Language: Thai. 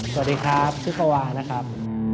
สวัสดีครับชื่อกวางนะครับ